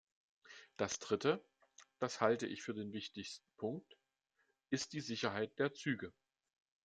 Das dritte das halte ich für den wichtigsten Punkt ist die Sicherheit der Züge.